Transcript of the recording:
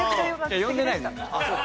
呼んでない。